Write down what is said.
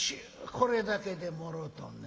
これだけでもろうとんねん。